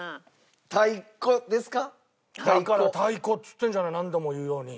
だから太鼓っつってんじゃない何度も言うように。